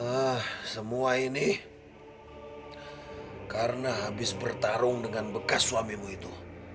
ah semua ini karena habis bertarung dengan bekas suamimu itu